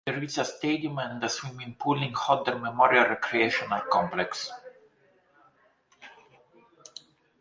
There is a stadium and a swimming pool in Hodder Memorial Recreational Complex.